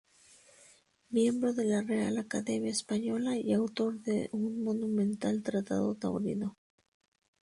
Miembro de la Real Academia Española y autor de un monumental tratado taurino.